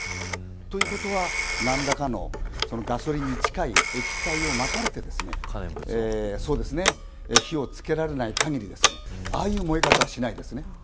ということは何らかのガソリンに近い液体をまかれて火をつけられないかぎりああいう燃え方はしないんです。